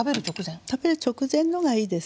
食べる直前のがいいですね。